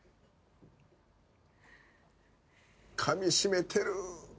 かみしめてる。